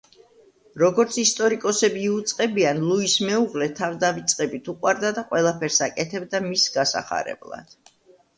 როგორც ისტორიკოსები იუწყებიან, ლუის მეუღლე თავდავიწყებით უყვარდა და ყველაფერს აკეთებდა მის გასახარებლად.